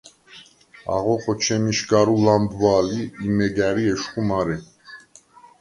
აღო ხოჩემიშგარუ ლამბვალ ი, იმეგ ა̈რი ეშხუ მარე.